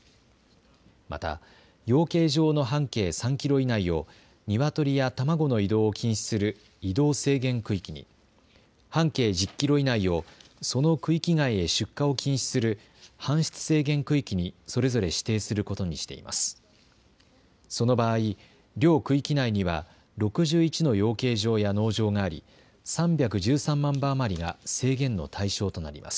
また、養鶏場の半径３キロ以内をニワトリや卵の移動を禁止する移動制限区域に、半径１０キロ以内をその区域外へ出荷を禁止する搬出制限区域にそれぞれ指定することにしています。